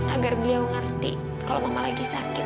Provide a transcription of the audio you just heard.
agar dia mau ngerti kalau mama lagi sakit